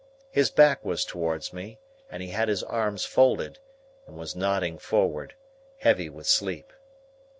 His back was towards me, and he had his arms folded, and was nodding forward, heavy with sleep.